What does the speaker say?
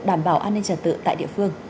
đảm bảo an ninh trả tự tại địa phương